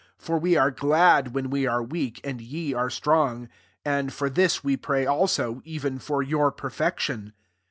9 For we are glad when we arc weak, and ye are strong; [and] for this we pray also, even for your perfection.